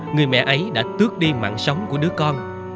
người mẹ ấy đã tước đi mạng sống của đứa con